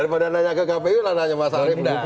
daripada nanya ke kpu lah nanya mas arief